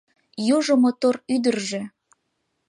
Южо мотор ӱдыржӧ